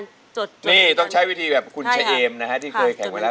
นี่ต้องใช้วิธีแบบคุณเฉเอมนะฮะที่เคยแข่งไว้แล้ว